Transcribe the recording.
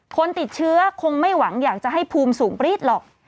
คนติดเชื้อคงไม่หวังอยากจะให้ภูมิสูงปรี๊ดหรอก